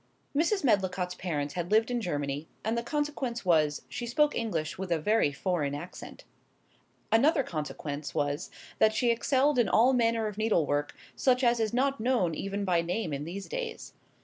Mrs. Medlicott's parents had lived in Germany, and the consequence was, she spoke English with a very foreign accent. Another consequence was, that she excelled in all manner of needlework, such as is not known even by name in these days.